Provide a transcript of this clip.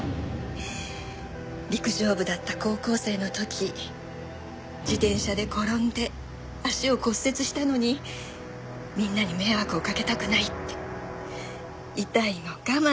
陸上部だった高校生の時自転車で転んで足を骨折したのにみんなに迷惑をかけたくないって痛いの我慢して試合に出て。